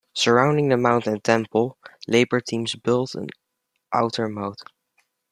Surrounding the mount and temple, labor teams built an outer moat.